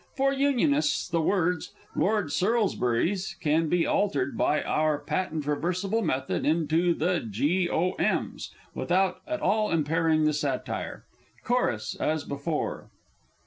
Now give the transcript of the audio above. For Unionists, the words_ "Lord Sorlsbury's" can be altered by our patent reversible method into "the G. O. M.'s," _without at all impairing the satire.) Chorus, as before.